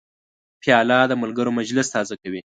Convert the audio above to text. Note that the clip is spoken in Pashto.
پیاله د ملګرو مجلس تازه کوي.